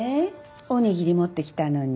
おにぎり持ってきたのに。